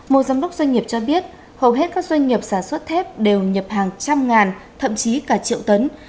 một giám đốc doanh nghiệp cho biết hầu hết các doanh nghiệp sản xuất thép đều nhập hàng trăm ngàn thậm chí cả triệu tấn